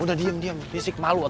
udah diem diem risik malu kakak